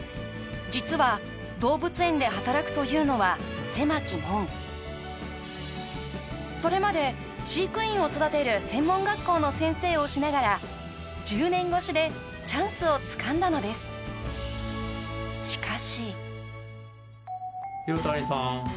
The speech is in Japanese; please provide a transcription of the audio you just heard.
実は動物園で働くというのは狭き門それまで飼育員を育てる専門学校の先生をしながら１０年越しでチャンスをつかんだのですしかし